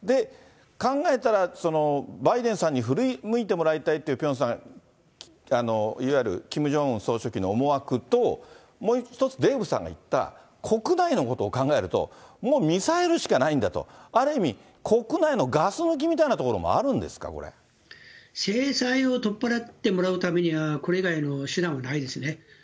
考えたら、バイデンさんに振り向いてもらいたいってピョンさん、いわゆるキム・ジョンウン総書記の思惑と、もう一つ、デーブさんが言った、国内のことを考えると、もう、ミサイルしかないんだと、ある意味、国内のガス抜きみたいなところもあるんですか、これ。を取っ払ってもらうためには、これ以外の手段はないですね。